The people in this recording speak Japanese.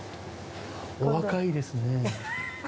お若いですね。